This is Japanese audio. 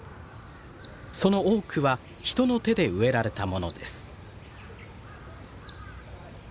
その多くは人の手で植えられたものです。